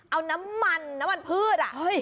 เอาน้ำมันน้ำมันพืช